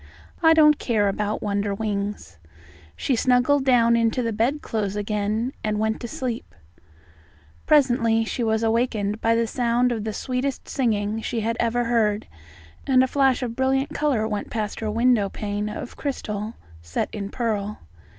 "I don't care about Wonderwings." She snuggled down into the bedclothes again, and went to sleep. Presently she was awakened by the sound of the sweetest singing she had ever heard, and a flash of brilliant colour went past her window pane of crystal set in pearl.